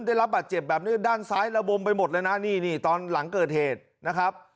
ได้รับบาดเจ็บแบบนี้ด้านซ้ายระบมไปหมดเลยนะนี่นี่ตอนหลังเกิดเหตุนะครับ